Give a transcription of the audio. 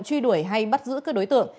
truy đuổi hay bắt giữ các đối tượng